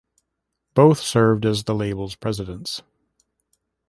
Both serve as the label's presidents.